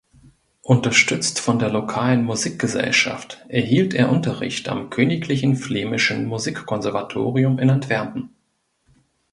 Unterstützt von der lokalen Musikgesellschaft erhielt er Unterricht am Königlichen Flämischen Musikkonservatorium in Antwerpen.